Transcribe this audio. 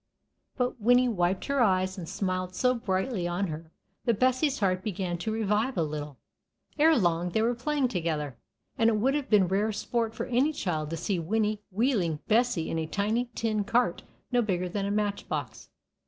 But Winnie wiped her eyes, and smiled so brightly on her that Bessie's heart began to revive a little. Ere long they were playing together, and it would have been rare sport for any child to see Winnie wheeling Bessie in a tiny tin cart no bigger than a match box.